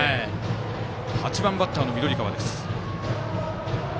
８番バッターの緑川の打球。